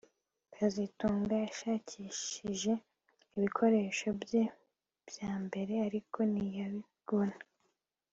kazitunga yashakishije ibikoresho bye byambere ariko ntiyabibona